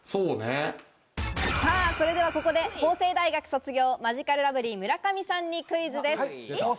それでは、ここで法政大学卒業、マヂカルラブリー村上さんにクイズです。